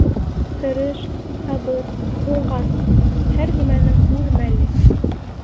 Тырыш, сабыр, уңған бул! һәр нәмәнең үҙ мәле!